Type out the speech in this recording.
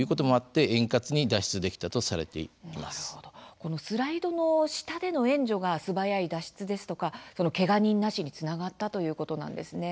このスライドの下での援助が素早い脱出ですとかけが人なしにつながったということなんですね。